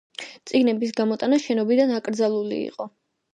წიგნების გამოტანა შენობიდან აკრძალული იყო.